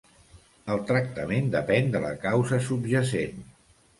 El tractament depèn de la causa subjacent.